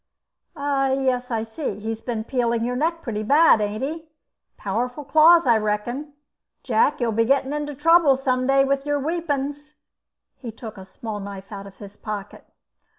"Yes, I see. He has been peeling your neck pretty bad, ain't he? Powerful claws, I reckon. Jack, you'll be getting into trouble some day with your weepons." He took a small knife out of his pocket.